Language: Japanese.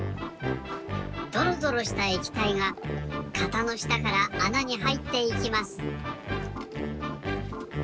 どろどろしたえきたいが型のしたからあなにはいっていきます。